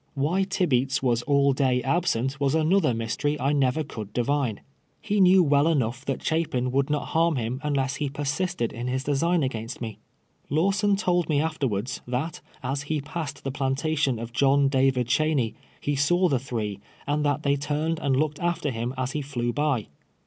AVhy Tibeats was all day absent was another mystery I never could divine, lie knew well enoiiirh that ("]ia])iii would not harm him unless he persisted in his desiijn against nie. Lawsou told me afterwards, that, as he passed the jilantatimi of John David Cheney, he saw the three, and that they turned and looked after him as he flew by.